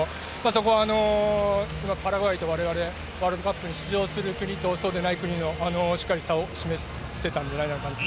そこは、パラグアイと我々ワールドカップに出場する国とそうでない国の差をしっかり示したんじゃないかと。